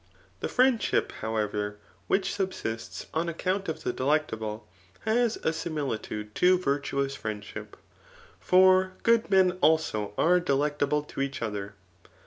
The friendship, however, which subsists on account bf the delectable, has a similitude to virtuous friendship ; for good men also are delectable to each other.